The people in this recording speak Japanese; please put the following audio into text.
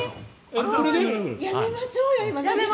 やめましょうよ。